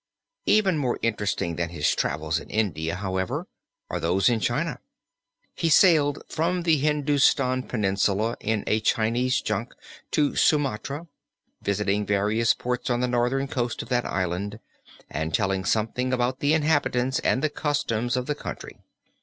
Even more interesting than his travels in India, however, are those in China. He sailed from the Hindustan Peninsula in a Chinese junk to Sumatra, visiting various ports on the northern coast of that island and telling something about the inhabitants and the customs of the country.